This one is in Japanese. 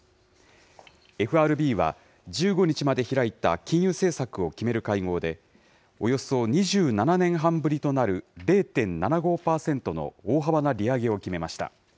ＦＲＢは、１５日まで開いた金融政策を決める会合で、およそ２７年半ぶりとなる０．７５％の大幅な利上げを決めました。